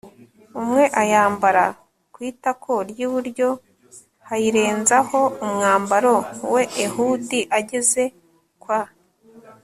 umwe Ayambara ku itako ry iburyo h ayirenzaho umwambaro we Ehudi ageze kwa